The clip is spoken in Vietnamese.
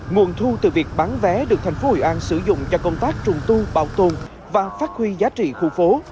nguồn thu từ việc bán vé được thành phố hội an sử dụng cho công tác trùng tu bảo tồn và phát huy giá trị khu phố